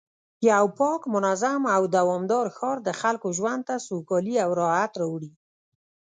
یو پاک، منظم او دوامدار ښار د خلکو ژوند ته سوکالي او راحت راوړي